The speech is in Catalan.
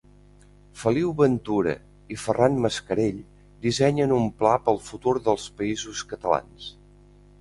Feliu Ventura i Ferran Mascarell dissenyen un pla pel futur dels Països catalans